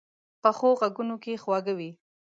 پخو غږونو کې خواږه وي